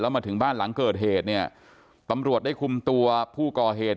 มาถึงบ้านหลังเกิดเหตุเนี่ยตำรวจได้คุมตัวผู้ก่อเหตุ